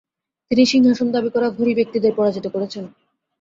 তিনি সিংহাসন দাবি করা ঘুরি ব্যক্তিদের পরাজিত করেছেন।